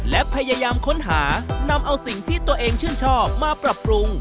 และพยายามค้นหานำเอาสิ่งที่ตัวเองชื่นชอบมาปรับปรุง